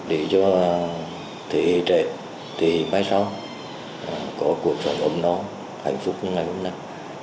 để cho thế hệ trẻ thế hệ mai sau có cuộc sống ổn đo hạnh phúc như ngày hôm nay